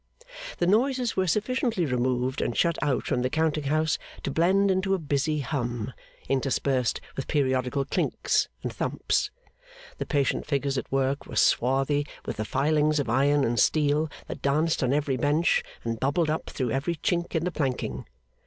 The noises were sufficiently removed and shut out from the counting house to blend into a busy hum, interspersed with periodical clinks and thumps. The patient figures at work were swarthy with the filings of iron and steel that danced on every bench and bubbled up through every chink in the planking.